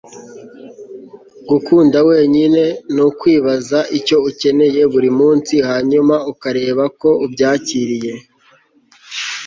gukunda wenyine ni ukwibaza icyo ukeneye - burimunsi - hanyuma ukareba ko ubyakiriye